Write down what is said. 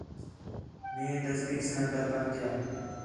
مئے دستی ساں در بند کیام